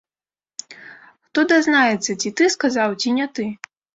Хто дазнаецца, ці ты сказаў, ці не ты?